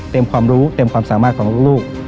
ความรู้เต็มความสามารถของลูก